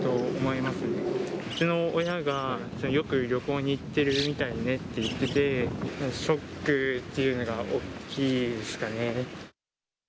うちの親がよく旅行に行ってるみたいねって言ってて、ショックというのが大きいですかね。